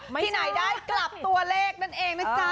ที่ไหนได้กลับตัวเลขนั่นเองนะจ๊ะ